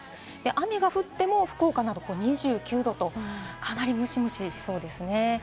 雨が降っても福岡など２９度と、かなりムシムシしそうです。